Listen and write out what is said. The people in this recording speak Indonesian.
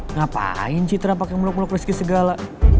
ngapain citra pake muluk muluk rizky segala